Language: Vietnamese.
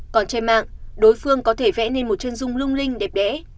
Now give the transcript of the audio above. còn trên mạng đối phương có thể vẽ nên một chân dung lung linh đẹp đẽ